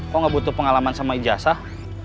kok gak butuh pengalaman sama ijazah